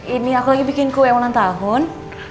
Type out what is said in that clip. ini aku lagi bikin kue ulang tahun